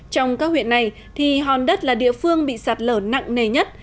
trong các huyện này hòn đất là địa phương bị sạt lở nặng nề nhất